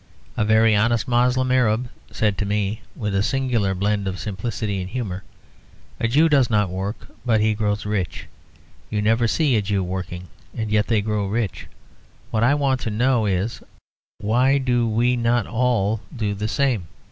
A very honest Moslem Arab said to me, with a singular blend of simplicity and humour, "A Jew does not work; but he grows rich. You never see a Jew working; and yet they grow rich. What I want to know is, why do we not all do the same?